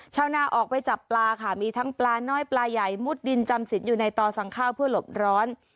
ชาวนาออกไปจับปลาค่ะมีทั้งปลาน้อยปลาใหญ่มุดดินจำสินอยู่ในต่อสั่งข้าวเพื่อหลบร้อน